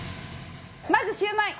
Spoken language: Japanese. まずシュウマイ。